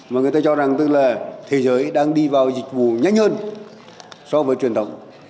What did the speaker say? mà người ta cho rằng tức là thế giới đang đi vào dịch vụ nhanh hơn so với truyền thống